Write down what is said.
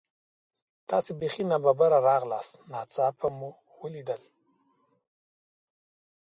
تاسې بیخي نا ببره راغلاست، ناڅاپه مو لیدل.